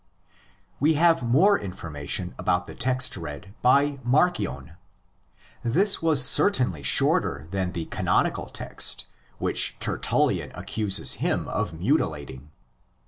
We have more information about the text read by Marcion. This was certainly shorter than the canonical text, which Tertullian accuses him of mutilating.